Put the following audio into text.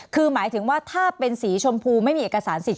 คือหมายถึงว่าถ้าเป็นสีชมพูไม่มีเอกสารสิทธ